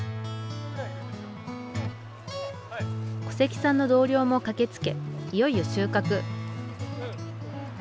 古関さんの同僚も駆けつけいよいよ収穫。